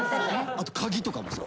あと鍵とかもさ。